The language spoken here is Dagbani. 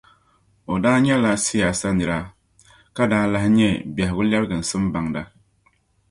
O daa nyɛla siyaasa nira ka daa lahi nyε biɛhigu lɛbigimsim baŋda.